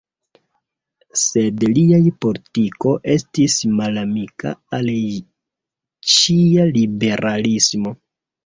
Sed liaj politiko estis malamika al ĉia liberalismo.